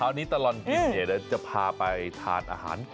เอาล่ะเดินทางมาถึงในช่วงไฮไลท์ของตลอดกินในวันนี้แล้วนะครับ